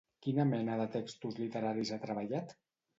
Quina mena de textos literaris ha treballat?